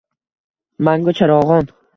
Mangu charog’on